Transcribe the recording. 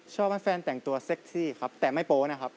ชอบให้แฟนแต่งตัวเซ็กซี่ครับแต่ไม่โป๊นะครับ